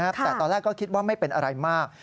แต่ตอนแรกก็คิดว่าไม่เป็นอะไรมาก